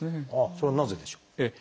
それはなぜでしょう？